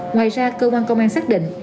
ngoài ra cơ quan công an xác định